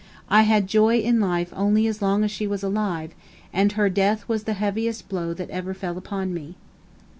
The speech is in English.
I had joy in life only as long as she was alive, and her death was the heaviest blow that ever fell upon me."